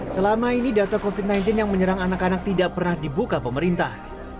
selama ini data covid sembilan belas yang menyerang anak anak tidak pernah dibuka pemerintah